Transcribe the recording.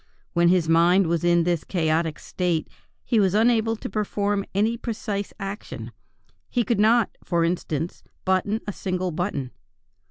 While his mind was in this chaotic state he was unable to perform any precise action; he could not, for instance, button a single button....